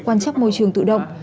quan chắc môi trường tự động